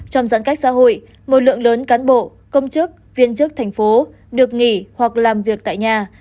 trong giãn cách xã hội một lượng lớn cán bộ công chức viên chức thành phố được nghỉ hoặc làm việc tại nhà